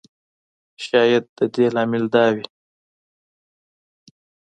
شاید د دې لامل دا وي.